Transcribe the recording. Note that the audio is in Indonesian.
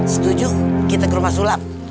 setuju kita ke rumah sulap